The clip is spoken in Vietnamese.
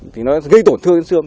thì nó gây tổn thương trên xương